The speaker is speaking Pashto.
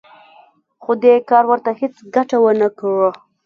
خو دې کار ورته هېڅ ګټه ونه کړه